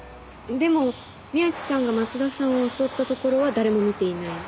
でも宮地さんが松田さんを襲ったところは誰も見ていない。